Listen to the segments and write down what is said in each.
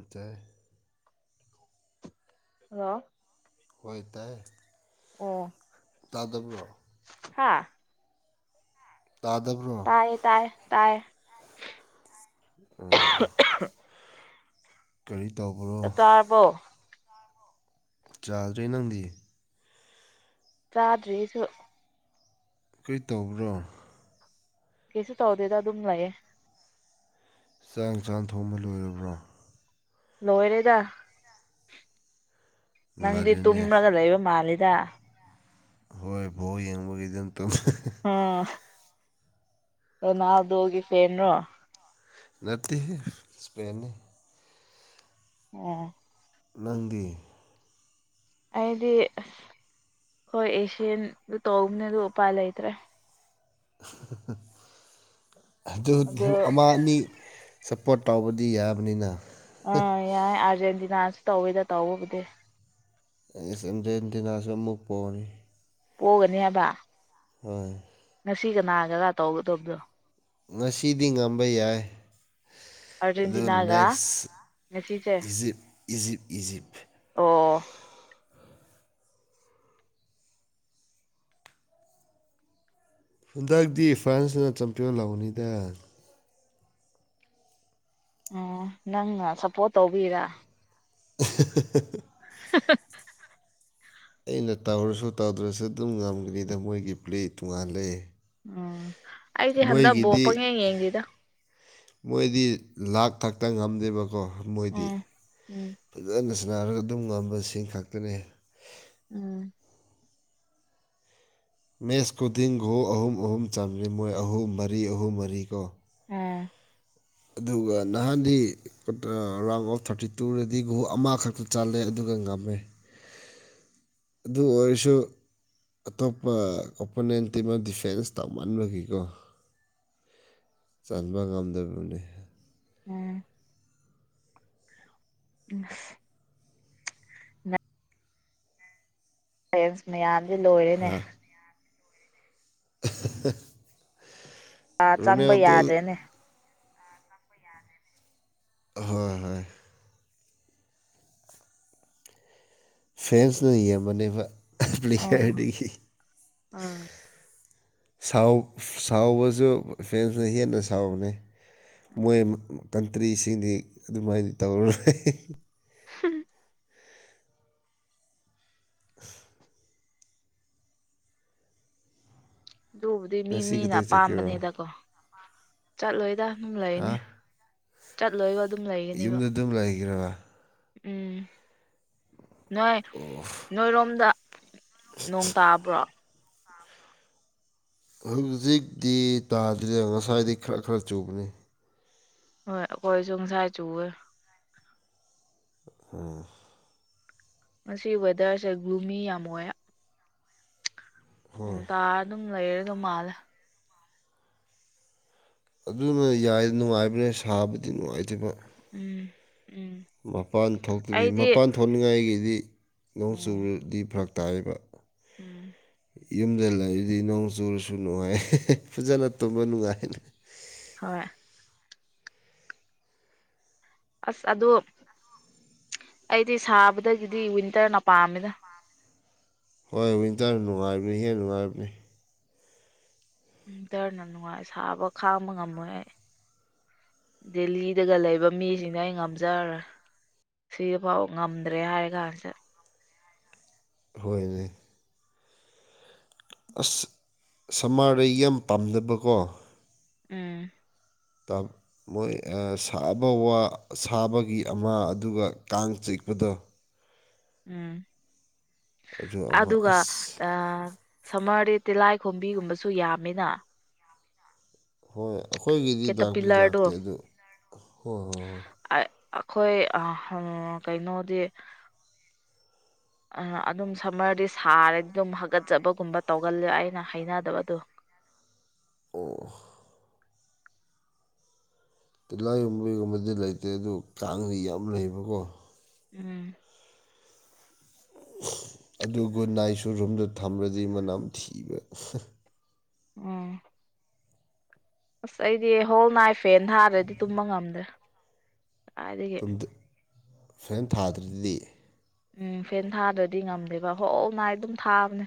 ꯑꯇ [unintelligible] ꯍꯥꯂꯣ ꯍꯣꯏ ꯇꯥꯏ ꯇꯥꯗꯕ꯭ꯔꯣ ꯍꯥꯥ ꯇꯥꯗꯕ꯭ꯔꯣ ꯇꯥꯏꯌꯦ ꯇꯥꯏꯌꯦ ꯇꯥꯏ ꯑ ꯀꯔꯤ ꯇꯧꯕ꯭ꯔꯣ ꯕꯣ ꯆꯥꯗ꯭ꯔꯦ ꯅꯪꯗꯤ ꯆꯥꯗ꯭ꯔꯤ ꯑꯩꯁꯨ ꯀꯔꯤ ꯇꯧꯕ꯭ꯔꯣ ꯀꯩꯁꯨ ꯇꯧꯗꯦꯗ ꯑꯗꯨꯝ ꯂꯩꯌꯦ ꯆꯥꯡ ꯆꯥꯡ ꯊꯣꯡꯕ ꯂꯣꯏꯔꯕ꯭ꯔꯣ ꯂꯣꯏꯔꯦꯗ ꯅꯪꯗꯤ ꯉꯜꯂꯤꯅꯦ ꯇꯨꯝꯂꯒ ꯂꯩꯕ ꯃꯥꯂꯦꯗ ꯍꯣꯏ ꯕꯥꯎ ꯌꯦꯡꯕꯒꯤꯗꯨꯝ ꯇꯨꯝ ꯎꯝ ꯔꯣꯅꯜꯗꯣꯒꯤ ꯐꯦꯟꯔꯣ ꯅꯠꯇꯦꯍꯦ ꯁ꯭ꯄꯦꯟꯅꯤ ꯑꯣ ꯅꯪꯗꯤ ꯑꯩꯗꯤ ꯑꯁ ꯍꯣꯏ ꯑꯦꯁꯤꯌꯥꯟꯗꯨ ꯇꯧꯕꯅꯦ ꯑꯗꯨ ꯎꯄꯥꯏ ꯂꯩꯇ꯭ꯔꯦ ꯑꯗꯨ ꯑꯃ ꯑꯅꯤ ꯁꯞꯄꯣꯔꯠ ꯇꯧꯕꯗꯤ ꯌꯥꯕꯅꯤꯅ ꯑ ꯌꯥꯏ ꯑꯥꯔꯖꯦꯟꯇꯤꯅꯥꯁꯨ ꯇꯧꯋꯤꯗ ꯇꯧꯕꯕꯨꯗꯤ ꯑꯔꯖꯦꯟꯇꯤꯅꯥꯁꯨ ꯃꯨꯛꯄ ꯑꯣꯏꯌꯦ ꯄꯣꯒꯅꯤ ꯍꯥꯏꯕ ꯍꯣꯏ ꯉꯁꯤ ꯀꯅꯥꯒꯔ ꯇꯧꯒꯗꯕꯗꯣ ꯉꯁꯤꯗꯤ ꯉꯝꯕ ꯌꯥꯏ ꯑꯗꯨ ꯑꯥꯔꯖꯦꯟꯇꯤꯅꯥꯒ ꯅꯦꯛꯁ ꯉꯁꯤꯁꯦ ꯏꯖꯤꯞ ꯏꯖꯤꯞ ꯑꯣ ꯍꯟꯗꯥꯛꯇꯤ ꯐ꯭ꯔꯥꯟꯁꯅ ꯆꯝꯄꯤꯌꯟ ꯂꯧꯅꯤꯗ ꯑꯣ ꯅꯪꯅ ꯁꯞꯄꯣꯔꯠ ꯇꯧꯕꯩꯔꯥ ꯑ [unintelligible] ꯍ ꯍꯥ ꯑꯩꯅ ꯇꯥꯎꯔꯁꯨ ꯇꯥꯎꯗ꯭ꯔꯁꯨ ꯑꯗꯨꯝ ꯉꯝꯒꯅꯤꯗ ꯃꯣꯏꯒꯤ ꯄ꯭ꯦꯜ ꯇꯣꯉꯥꯜꯂꯦ ꯎꯝ ꯑꯩꯗꯤ ꯍꯟꯗꯛ ꯕꯣꯜ ꯃꯣꯏꯒꯤꯗꯤ ꯄꯪꯌꯦꯡ ꯌꯦꯡꯗꯦꯗꯥ ꯃꯣꯏꯗꯤ ꯂꯥꯛ ꯊꯛꯇ ꯉꯝꯗꯦꯕꯀꯣ ꯃꯣꯏꯗꯤ ꯎꯝ ꯎꯝ ꯐꯖꯅ ꯁꯅꯥꯔꯒ ꯑꯗꯨꯝ ꯉꯝꯕꯁꯤꯡ ꯈꯛꯇꯅꯤ ꯎꯝ ꯃꯦꯁ ꯈꯨꯗꯤꯡ ꯒꯣꯜ ꯑꯍꯨꯝ ꯑꯍꯨꯝ ꯆꯟꯕꯅꯦ ꯃꯣꯏ ꯑꯍꯨꯝ ꯃꯔꯤ ꯑꯍꯨꯝ ꯃꯔꯤ ꯀꯣ ꯎꯝ ꯑꯗꯨꯒ ꯅꯍꯥꯟꯗꯤ ꯔꯥꯎꯟ ꯑꯣꯐ ꯊꯥꯔꯇꯤ ꯇꯨꯗꯗꯤ ꯒꯣꯜ ꯑꯃꯈꯛꯇ ꯆꯥꯂꯦ ꯑꯗꯨꯒ ꯉꯝꯃꯦ ꯑꯗꯨ ꯑꯣꯏꯔꯁꯨ ꯑꯇꯣꯞꯄ ꯑꯣꯄꯣꯅꯦꯟꯇ ꯇꯤꯝꯅ ꯗꯤꯐꯦꯟꯁ ꯇꯧꯃꯟꯕꯒꯤꯀꯣ ꯆꯟꯕ ꯉꯝꯗꯕꯅꯤ ꯎꯝ ꯎꯝ ꯄꯔꯦꯟꯁ [inaudible] ꯃꯌꯥꯝꯁꯦ ꯂꯣꯏꯔꯦꯅꯦ ꯍꯥ [unintelligible] ꯆꯥ ꯆꯪꯕ ꯔꯣꯅꯦꯜꯗꯣ ꯌꯥꯗ꯭ꯔꯦꯅꯦ ꯑꯣꯏ ꯍꯣꯏ ꯍꯣꯏ ꯐꯦꯟꯁꯅ ꯌꯦꯡꯕꯅꯦꯕ ꯄꯂꯦꯌꯦꯔ ꯗꯤ ꯑꯥ ꯁꯥꯎꯕꯁꯨ ꯐꯦꯟꯁꯅ ꯍꯦꯟꯅ ꯁꯥꯎꯕꯅꯤ ꯃꯣꯏ ꯀꯟꯇ꯭ꯔꯤꯁꯤꯡꯗꯤ ꯑꯗꯨꯃꯥꯏꯅ ꯇꯧꯔꯔꯣꯏ ꯍꯝ ꯍꯨꯝ ꯑꯗꯨꯕꯨꯗꯤ ꯃꯤ ꯉꯁꯤ ꯃꯤꯅ ꯀꯗꯥꯏ ꯆꯠꯀꯦꯔꯣ ꯑꯄꯥꯝꯕꯅꯤꯗꯀꯣ ꯆꯠꯂꯣꯏꯗ ꯑꯗꯨꯝ ꯍꯥ ꯂꯩꯅꯤ ꯆꯠꯂꯣꯏꯕ ꯑꯗꯨꯝ ꯂꯩꯒꯅꯦꯕ ꯌꯨꯝꯗ ꯑꯗꯨꯝ ꯂꯩꯈ꯭ꯔꯕ ꯎꯝ ꯅꯣꯏ ꯑꯣꯐ ꯅꯣꯏꯔꯣꯝꯗ ꯅꯣꯡ ꯇꯥꯕ꯭ꯔꯣ ꯍꯧꯖꯤꯛꯇꯤ ꯇꯥꯗ꯭ꯔꯤꯦ ꯉꯁꯥꯏꯗꯤ ꯈꯔ ꯈꯔ ꯆꯨꯕꯅꯤ ꯍꯣꯏ ꯑꯩꯈꯣꯏꯁꯨ ꯉꯁꯥꯏ ꯆꯨꯋꯦ ꯎꯝ ꯃꯁꯤ ꯋꯦꯗꯔꯁꯦ ꯒ꯭ꯔꯨꯃꯤ ꯌꯥꯝ ꯑꯣꯏ ꯍꯣꯏ ꯎꯝ ꯇꯥꯔ ꯑꯗꯨꯝ ꯂꯩꯔ ꯑꯗꯨꯝ ꯃꯥꯜꯂꯦ ꯑꯗꯨꯅ ꯌꯥꯏ ꯅꯨꯡꯉꯥꯏꯕ꯭ꯔꯅꯦ ꯁꯥꯕꯗꯤ ꯅꯨꯡꯉꯥꯏꯇꯕ ꯎꯝ ꯎꯝ ꯃꯄꯥꯟ ꯊꯣꯛꯇꯕꯤ ꯑꯩꯗꯤ ꯃꯄꯥꯟ ꯊꯣꯛꯅꯤꯡꯉꯥꯏꯒꯤꯗꯤ ꯅꯣꯡ ꯎꯝ ꯆꯨꯔꯗꯤ ꯐꯔꯛ ꯇꯥꯏꯌꯦꯕ ꯎꯝ꯫ ꯌꯨꯝꯗ ꯂꯩꯔꯗꯤ ꯅꯣꯡ ꯆꯨꯔꯁꯨ ꯅꯨꯡꯉꯥꯏꯌꯦ [unintelligible] ꯐꯖꯅ ꯇꯨꯝꯕ ꯅꯨꯡꯉꯥꯏꯅ ꯍꯣꯏ꯫ ꯑꯁ ꯑꯗꯣ ꯑꯩꯗꯤ ꯁꯥꯕꯗꯒꯤꯗꯤ ꯋꯤꯟꯇꯔꯅ ꯄꯥꯝꯃꯤꯗ꯫ ꯍꯣꯏ ꯋꯤꯟꯇꯔ ꯅꯨꯡꯉꯥꯏꯕꯅꯤ ꯍꯦꯟꯅ ꯅꯨꯡꯉꯥꯏꯕꯅꯤ꯫ ꯋꯤꯟꯇꯔꯅ ꯅꯨꯡꯉꯥꯏ ꯁꯥꯕ ꯈꯥꯡꯕ ꯉꯝꯃꯣꯏ ꯑꯩ꯫ ꯗꯦꯜꯂꯤꯗꯒ ꯂꯩꯕ ꯃꯤꯁꯤꯡꯅ ꯑꯩ ꯉꯝꯖꯔꯔꯣꯏ꯫ ꯁꯤꯗꯐꯥꯎ ꯉꯝꯗ꯭ꯔꯦ ꯍꯥꯏꯔ ꯀꯥꯟꯁꯤꯗ꯫ ꯍꯣꯏꯅꯦ꯫ ꯑꯁ ꯁꯝꯃꯔꯗ ꯌꯥꯝ ꯄꯥꯝꯅꯕꯀꯣ ꯎꯝ꯫ ꯇꯞ ꯃꯣꯏ ꯁꯥꯕ ꯋꯥ ꯁꯥꯕꯒꯤ ꯑꯃ ꯑꯗꯨꯒ ꯀꯥꯡ ꯆꯤꯛꯄꯗꯣ ꯎꯝ ꯑꯗꯨ ꯑꯃ ꯑꯗꯨꯒ ꯑꯁ ꯑꯥ ꯁꯝꯃꯔꯗꯤ ꯇꯤꯜꯍꯥꯏ ꯈꯣꯝꯕꯤꯒꯨꯝꯕꯁꯨ ꯌꯥꯝꯃꯤꯅ ꯍꯣꯏ ꯑꯩꯈꯣꯏꯒꯤꯗꯤ ꯂꯥꯛꯄꯗꯤ ꯀꯦꯇꯄꯤꯂꯔꯗꯣ ꯂꯥꯛꯇꯦ ꯑꯗꯨ ꯍꯣꯏ ꯍꯣꯏ ꯍꯣꯏ ꯑꯩꯈꯣꯏ ꯑ ꯀꯩꯅꯣꯗꯤ ꯑ ꯑꯗꯨꯝ ꯁꯝꯃꯔꯗꯤ ꯁꯥꯔꯗꯤ ꯑꯗꯨꯝ ꯍꯥꯒꯠꯆꯕꯒꯨꯝꯕ ꯇꯧꯒꯜꯂꯦ ꯑꯩꯅ ꯍꯩꯅꯗꯕꯗꯣ ꯑꯣ ꯇꯤꯂꯤꯏꯈꯣꯝꯕꯤꯒꯨꯝꯕꯗꯤ ꯂꯩꯇꯦ ꯑꯗꯨ ꯀꯥꯡꯗꯤ ꯌꯥꯝ ꯂꯩꯕꯀꯣ ꯎꯝ ꯑꯗꯨ ꯒꯨꯠꯅꯥꯏꯁꯨ ꯔꯨꯝꯗ ꯊꯝ꯭ꯔꯗꯤ ꯃꯅꯝ ꯅꯝꯊꯤꯕ ꯎꯝ꯫ ꯑꯁ ꯑꯩꯗꯤ ꯍꯣꯜ ꯅꯥꯏꯠ ꯐꯦꯟ ꯊꯥꯔꯗ꯭ꯔꯗꯤ ꯇꯨꯝꯕ ꯉꯝꯗ꯭ꯔꯦ꯫ ꯀꯥꯏꯗꯒꯤ ꯇꯨꯝꯗꯦ ꯐꯦꯟ ꯊꯥꯗ꯭ꯔꯗꯤ ꯎꯝ ꯐꯦꯟ ꯊꯥꯗ꯭ꯔꯗꯤ ꯉꯝꯗꯦꯕ ꯍꯣ ꯅꯥꯥꯏꯠ ꯑꯗꯨꯝ ꯊꯥꯕꯅꯦ꯫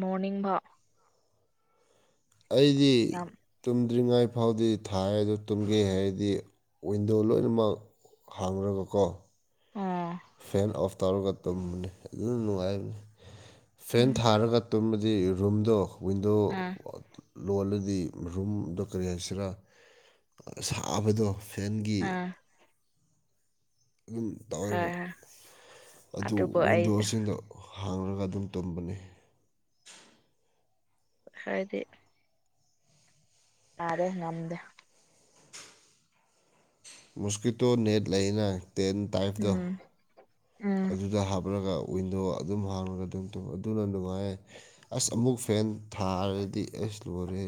ꯃꯣꯔꯅꯤꯡꯕꯥꯎ ꯑꯩꯗꯤ ꯌꯥꯝ ꯇꯨꯝꯗ꯭ꯔꯤꯉꯩ ꯐꯥꯎꯗꯤ ꯊꯥꯏꯌꯦ ꯑꯗꯨ ꯇꯨꯝꯒꯦ ꯍꯥꯏꯔꯗꯤ ꯋꯤꯟꯗꯣ ꯂꯣꯏꯅꯃꯛ ꯍꯥꯡꯔꯀ ꯀꯣ ꯑꯣ ꯐꯦꯟ ꯑꯣꯐ ꯇꯧꯔꯒ ꯇꯨꯝꯕꯅꯤ ꯑꯗꯨꯝ ꯅꯨꯡꯉꯥꯏꯕꯅꯤ ꯐꯦꯟ ꯎꯝ ꯊꯥꯔꯒ ꯇꯨꯝꯕꯗꯤ ꯔꯨꯝꯗꯣ ꯋꯤꯟꯗꯣ ꯎꯝ ꯂꯣꯜꯂꯗꯤ ꯔꯨꯝꯗꯣ ꯀꯔꯤ ꯍꯥꯏꯁꯤꯔꯥ ꯁꯥꯕꯗꯣ ꯐꯦꯟꯒꯤ ꯎꯝ ꯑꯗꯨꯝ ꯇꯥꯎꯋꯦꯕ ꯍꯣꯏ ꯍꯣꯏ ꯑꯗꯨ ꯑꯗꯨꯕꯨ ꯑꯩ ꯋꯤꯟꯗꯣꯁꯤꯡꯗꯣ ꯍꯥꯡꯉꯒ ꯑꯗꯨꯝ ꯇꯨꯝꯝꯕꯅꯦ꯫ ꯍꯥꯏꯗꯤ ꯌꯥꯔꯦ ꯉꯝꯗꯦ꯫ ꯃꯨꯁꯀꯤꯇꯣ ꯅꯦꯠ ꯂꯩꯅ ꯇꯦꯟ ꯇꯥꯏꯞꯇꯣ ꯎꯝ ꯎꯝ ꯑꯗꯨꯗ ꯍꯥꯞꯂꯒ ꯋꯤꯟꯗꯣ ꯑꯗꯨꯝ ꯍꯥꯡꯉꯒ ꯑꯗꯨꯝ ꯇꯨꯝꯕ ꯑꯗꯨꯅ ꯅꯨꯡꯉꯥꯏ ꯑꯁ ꯑꯃꯨꯛ ꯐꯦꯟ ꯊꯥꯔꯗꯤ ꯑꯩꯁ ꯂꯣꯏꯔꯦ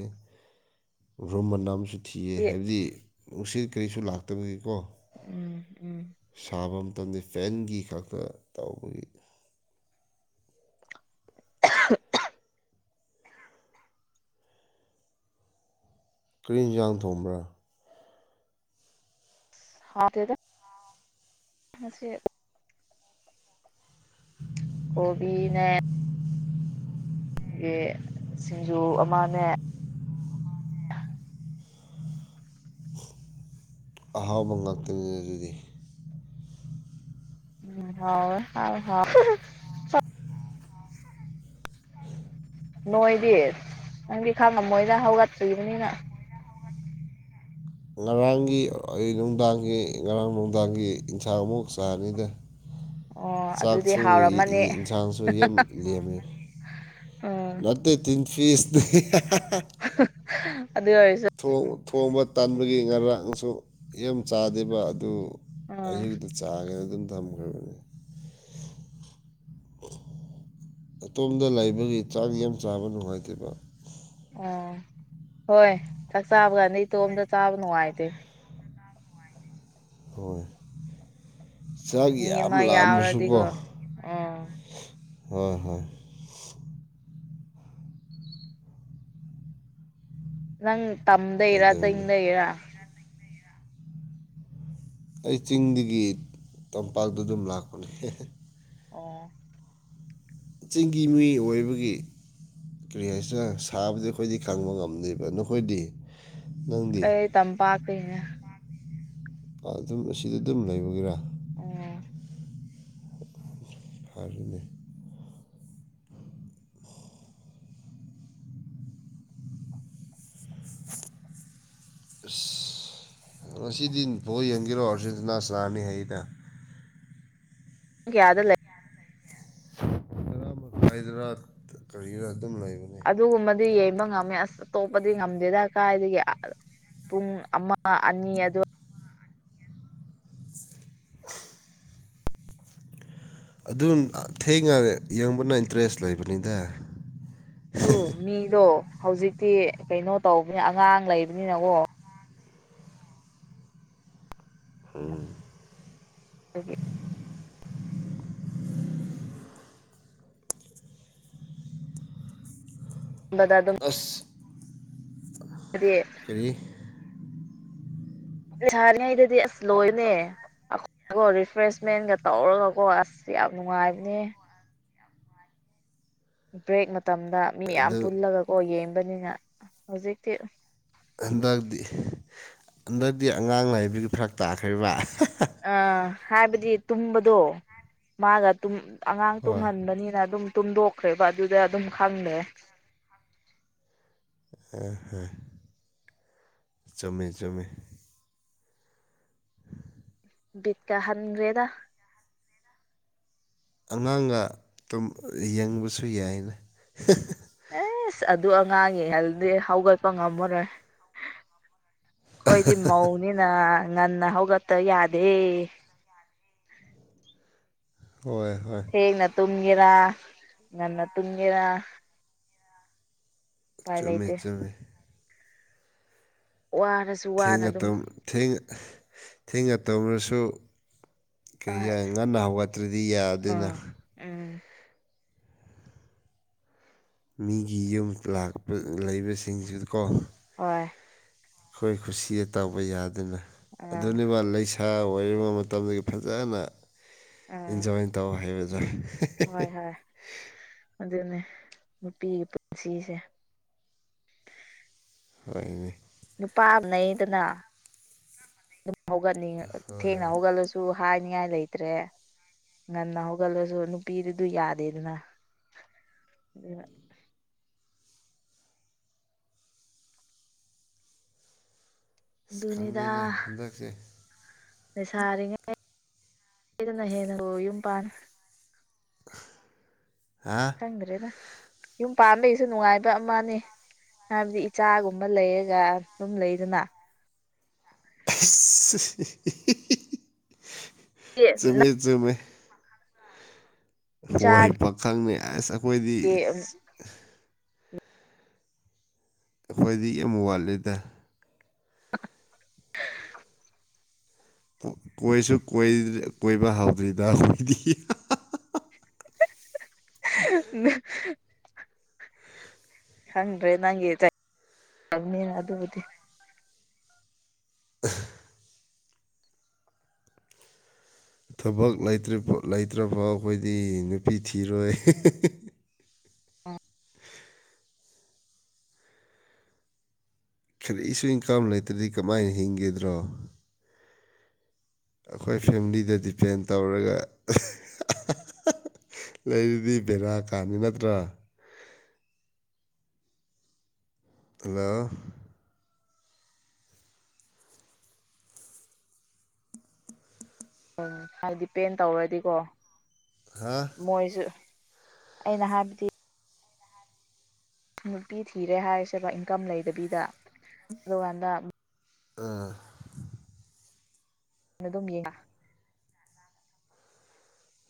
ꯔꯨꯝ ꯃꯅꯝꯁꯨ ꯊꯤꯌꯦ ꯍꯥꯏꯕꯗꯤ ꯅꯨꯡꯁꯤꯠ ꯀꯩꯁꯨ ꯂꯥꯛꯇꯕꯩꯀꯣ꯫ ꯎꯝ ꯎꯝ꯫ ꯁꯥꯕ ꯃꯇꯝꯗꯤ ꯐꯦꯟꯒꯤ ꯈꯛꯇ ꯇꯧꯕꯒꯤ [unintelligible] ꯀ꯭ꯔꯤ ꯏꯟꯖꯥꯡ ꯊꯣꯡꯕ꯭ꯔꯥ꯫ ꯍꯥꯥꯎꯇꯦꯗ ꯉꯁꯤ ꯀꯣꯕꯤꯅꯦ ꯒꯤ ꯁꯤꯡꯖꯨ ꯑꯃꯅꯦ ꯑꯍꯥꯎꯕ ꯉꯥꯛꯇꯅꯤꯅ ꯑꯗꯨꯗꯤ ꯎꯝ ꯍꯥꯎꯋꯦ ꯍꯥꯎꯋꯦ ꯍꯥꯎꯋꯦ ꯅꯣꯏꯗꯤ ꯅꯪꯗꯤ ꯈꯪꯉꯝꯃꯣꯏꯗ ꯍꯧꯒꯠꯇꯔꯤꯕꯅꯤꯅ ꯉꯔꯥꯡꯒꯤ ꯑꯩ ꯅꯨꯡꯗꯥꯡꯒꯤ ꯉꯔꯥꯡ ꯅꯨꯡꯗꯥꯡꯒꯤ ꯏꯟꯁꯥꯡ ꯑꯃꯨꯛ ꯆꯥꯅꯤꯗ ꯑꯣ ꯑꯗꯨꯗꯤ ꯆꯥꯛꯁꯨ ꯍꯥꯎꯔꯝꯃꯅꯤ ꯏꯟꯁꯥꯡꯁꯨ ꯌꯥꯝ ꯂꯦꯝꯃꯦ ꯎꯝ ꯅꯠꯇꯦ ꯇꯤꯟ ꯐꯤꯁ ꯍꯥ ꯍꯥ ꯑꯗꯨ ꯑꯣꯏꯔꯁꯨ ꯊꯣꯡꯕ ꯇꯥꯟꯕꯒꯤ ꯉꯔꯥꯡꯁꯨ ꯌꯥꯝ ꯆꯥꯗꯦꯕ ꯑꯗꯨ ꯎꯝ ꯑꯌꯨꯛꯇ ꯆꯥꯒꯦꯅ ꯑꯗꯨꯝ ꯊꯝꯈ꯭ꯔꯕꯅꯤ ꯑꯇꯣꯝꯗ ꯂꯩꯕꯒꯤ ꯆꯥꯛ ꯌꯥꯝ ꯆꯥꯕ ꯅꯨꯡꯉꯥꯏꯇꯦꯕ ꯑꯣ ꯍꯣꯏ ꯆꯥꯛ ꯆꯥꯕ ꯀꯥꯟꯗ ꯏꯇꯣꯝꯗ ꯆꯥꯕ ꯅꯨꯡꯉꯥꯏꯇꯦ ꯍꯣꯏ ꯆꯥꯛ ꯃꯤ ꯌꯥꯝ ꯑꯃ ꯂꯥꯝꯕꯁꯨꯀꯣ ꯌꯥꯎꯔꯗꯤꯀꯣ ꯑꯣ ꯍꯣꯏ ꯍꯣꯏ ꯅꯪ ꯇꯝꯗꯩꯔ ꯑꯗꯨꯅꯤ ꯆꯤꯡꯗꯩꯔ ꯑꯩ ꯆꯤꯡꯗꯒꯤ ꯇꯝꯄꯥꯛꯇ ꯑꯗꯨꯝ ꯂꯥꯛꯄꯅꯦ ꯑꯣ ꯆꯤꯡꯒꯤ ꯃꯤ ꯑꯣꯏꯕꯒꯤ ꯀꯔꯤ ꯍꯥꯏꯁꯤꯔ ꯁꯥꯕꯗꯤ ꯑꯩꯈꯣꯏꯗꯤ ꯈꯪꯕ ꯉꯝꯗꯦꯕ ꯅꯈꯣꯏꯗꯤ ꯅꯪꯗꯤ ꯑꯩ ꯇꯝꯄꯥꯛꯇꯩꯅꯦ ꯑꯗꯨꯝ ꯑꯁꯤꯗ ꯑꯗꯨꯝ ꯂꯩꯕꯒꯤꯔꯥ ꯎꯝ ꯐꯔꯦꯅꯦ ꯑꯁ ꯉꯁꯤꯗꯤ ꯕꯣꯜ ꯌꯦꯡꯒꯦꯔꯣ ꯑꯔꯖꯦꯟꯇꯤꯅ ꯁꯅꯥꯅꯤ ꯍꯥꯏꯌꯦꯗ ꯄꯨꯡ ꯀꯌꯥꯗ ꯂꯩ ꯇꯔꯥ ꯃꯈꯥꯏꯗꯔꯥ ꯀꯔꯤꯔ ꯑꯗꯨꯝ ꯂꯩꯏꯕꯅꯤ ꯑꯗꯨꯒꯨꯝꯕꯗꯤ ꯌꯦꯡꯕ ꯉꯝꯃꯤ ꯑꯁ ꯑꯇꯣꯞꯄꯗꯤ ꯉꯝꯗꯦꯗ ꯀꯥꯏꯗꯒꯤ ꯄꯨꯡ ꯑꯃ ꯑꯅꯤ ꯑ ꯑꯗꯨ ꯑꯗꯨꯝ ꯊꯦꯡꯉ ꯌꯦꯡꯕꯅ ꯏꯟꯇꯔꯦꯁ ꯂꯩꯕꯅꯤꯗ ꯑꯗꯨ ꯃꯤꯗꯣ ꯍꯧꯖꯤꯛꯇꯤ ꯀꯩꯅꯣ ꯇꯧꯕꯅꯤ ꯑꯉꯥꯡ ꯂꯩꯕꯅꯤꯅꯀꯣ ꯎꯝ ꯑꯗꯨꯕꯤ ꯑꯃꯗ ꯑꯗꯨꯝ ꯑꯁ ꯑ ꯀꯔꯤ [unintelligible] ꯅꯣꯏ ꯁꯥꯅꯩꯗꯨꯗꯤ ꯑꯁ ꯂꯣꯏꯅꯦ ꯑꯩꯈꯣꯏꯒꯣ ꯔꯤꯐ꯭ꯔꯦꯁꯃꯦꯟꯒ ꯇꯧꯔꯒꯀꯣ ꯑꯁ ꯌꯥꯝ ꯅꯨꯡꯉꯥꯏꯕꯅꯦ ꯕ꯭ꯔꯦꯛ ꯃꯇꯝꯗ ꯃꯤ ꯌꯥꯝ ꯑꯗꯨ ꯄꯨꯜꯂꯒꯀꯣ ꯌꯦꯡꯕꯅꯤꯅ ꯍꯧꯖꯤꯛꯇꯤ ꯍꯟꯗꯛꯇꯤ ꯍꯟꯗꯛꯇꯤ ꯑꯉꯥꯡ ꯂꯩꯕꯒꯤ ꯐꯔꯛ ꯇꯥꯈ꯭ꯔꯤꯕ ꯑꯥ ꯍꯥꯏꯕꯗꯤ ꯇꯨꯝꯕꯗꯣ ꯃꯥꯒ ꯇꯨꯝꯕ ꯑꯉꯥꯡ ꯍꯣꯏ ꯇꯨꯝꯍꯟꯕꯅꯤꯅ ꯑꯗꯨꯝ ꯇꯨꯝꯗꯣꯛꯈ꯭ꯔꯦꯕ ꯑꯗꯨꯗ ꯑꯗꯨꯝ ꯈꯪꯗꯔ꯭ꯦ ꯍꯦ ꯍꯦ ꯍꯦ ꯆꯨꯝꯃꯤ ꯆꯨꯝꯃꯤ꯫ ꯕꯤꯠ ꯀꯥ ꯍꯟꯒꯔ꯭ꯦꯗꯥ ꯑꯉꯥꯡꯒ ꯌꯦꯡꯕꯁꯨ ꯌꯥꯏꯅ ꯑꯦꯁ ꯑꯗꯨ ꯑꯉꯥꯡꯉ ꯌꯦꯡ ꯍꯜꯂꯗꯤ ꯍꯧꯒꯠꯄ ꯉꯝꯃꯔꯣꯏ ꯑꯩꯈꯣꯏꯗꯤ ꯃꯧꯅꯤꯅ ꯉꯟꯅ ꯍꯧꯒꯠꯇ ꯌꯥꯗꯦ ꯍꯣꯏ ꯍꯣꯏ ꯊꯦꯡꯅ ꯇꯨꯝꯒꯦꯔꯥ ꯉꯟꯅ ꯇꯨꯝꯒꯦꯔꯥ ꯎꯄꯥꯏ ꯆꯨꯝꯃꯤ ꯂꯩꯇꯦ ꯆꯨꯝꯃꯤ ꯋꯥꯔ ꯊꯦꯡ ꯊꯦꯡ ꯊꯦꯡꯅ ꯇꯝꯔꯁꯨ ꯀꯩ ꯍꯣꯏ ꯉꯟꯅ ꯍꯧꯒꯠꯇ꯭ꯔꯗꯤ ꯌꯥꯗꯦꯅ ꯎꯝ ꯎꯝ ꯃꯤꯒꯤ ꯌꯨꯝ ꯂꯥꯛꯄ ꯂꯩꯕꯁꯤꯡꯁꯤ ꯀꯣ ꯍꯣꯏ ꯑꯩꯈꯣꯏ ꯈꯨꯁꯤꯌꯦ ꯇꯥꯎꯕ ꯌꯥꯗꯅ ꯑꯥ ꯑꯗꯨꯅꯦꯕ ꯂꯩ ꯈꯔ ꯑꯣꯏꯔꯤꯕ ꯃꯇꯝꯗꯒꯤ ꯐꯖꯅ ꯑꯥ ꯏꯟꯖꯣꯏ ꯇꯧ ꯍꯥꯏꯩꯕꯗꯦ ꯍꯣꯏ ꯍꯣꯏ ꯑꯗꯨꯅꯦ ꯅꯨꯄꯤꯒꯤ ꯄꯨꯟꯁꯤꯁꯦ ꯍꯥꯏꯅꯦ ꯅꯨꯄꯥ ꯑꯃ ꯂꯩꯗꯅ ꯑꯗꯨꯝ ꯍꯧꯒꯠꯅꯤꯡꯉ ꯍꯣꯏ ꯊꯦꯡꯅ ꯍꯣꯏ ꯍꯧꯒꯠꯂꯁꯨ ꯍꯥꯏꯅꯤꯡꯉꯥꯏ ꯂꯩꯇ꯭ꯔꯦ ꯉꯟꯅ ꯍꯧꯒꯠꯂꯁꯨ ꯅꯨꯄꯤꯗꯨꯗꯨ ꯌꯥꯗꯦꯗꯅ ꯑꯗꯨ ꯑꯁ ꯑꯗꯨꯅꯤꯗ ꯈꯪꯗꯦꯅꯦ ꯍꯟꯗꯛꯁꯦ ꯅ ꯁꯥꯔꯤꯉꯩꯗꯅ ꯍꯦꯟꯅ ꯌꯨꯝ ꯄꯥꯟ ꯍꯥ ꯈꯪꯗ꯭ꯔꯦꯅ ꯌꯨꯝ ꯄꯥꯟꯕꯩꯁꯨ ꯅꯨꯡꯉꯥꯏꯕ ꯑꯃꯅꯦ ꯍꯥꯏꯕꯗꯤ ꯏꯆꯥꯒꯨꯝꯕ ꯂꯩꯔꯒ ꯑꯗꯨꯝ ꯂꯩꯗꯅ ꯑ ꯆꯨꯝꯃꯦ ꯆꯨꯝꯃꯦ ꯍꯣꯏ ꯍꯩ ꯏꯆꯥꯒꯤ ꯄ ꯈꯪꯅꯤ ꯑꯁ ꯑꯩꯈꯣꯏꯗꯤ ꯑꯩꯈꯣꯏꯗꯤ ꯌꯥꯝꯃꯨ ꯋꯥꯠꯂꯤꯗ [unintelligible] ꯀꯣꯏꯁꯨ ꯀꯣꯏꯕ ꯍꯧꯥꯎꯗ꯭ꯔꯤꯗ ꯑꯩꯣꯏꯗꯤ ꯎ ꯈꯪꯗ꯭ꯔꯦ ꯅꯪꯒꯤꯕꯅꯤꯅ ꯑꯗꯨꯕꯨꯗꯤ ꯑ ꯊꯕꯛ꯭ ꯂꯩꯇ꯭ꯔꯐꯥꯎ ꯑꯩꯈꯣꯏꯗꯤ ꯅꯨꯄꯤ ꯊꯤꯔꯣꯏ ꯑ ꯈꯦꯔꯤꯁꯨ ꯏꯟꯀꯥꯝ ꯂꯩꯇ꯭ꯔꯗꯤ ꯀꯃꯥꯏꯅ ꯍꯤꯡꯒꯗ꯭ꯔꯣ ꯑꯩꯈꯣꯏ ꯐꯦꯃꯤꯂꯤꯗ ꯗꯤꯄꯦꯟ ꯇꯧꯔꯒ ꯂꯩꯔꯤꯗꯤ ꯕꯦꯔꯥ ꯀꯥꯟꯅꯤ ꯅꯠꯇ꯭ꯔꯣ ꯋꯥ ꯎꯝ ꯍꯥꯏꯗꯤ ꯄꯦꯟ ꯇꯧꯔꯗꯤꯀꯣ ꯍꯥ ꯃꯣꯏꯁꯨ ꯑꯩꯅ ꯍꯥꯏꯕꯗꯤ ꯅꯨꯄꯤ ꯊꯤꯔꯦ ꯍꯥꯏꯔꯤꯁꯦꯕ ꯏꯟꯀꯝ ꯂꯩꯗꯕꯤꯗ ꯑꯗꯨꯀꯥꯟꯗ ꯑꯥ ꯑꯗꯨꯝ ꯌꯦꯡꯉ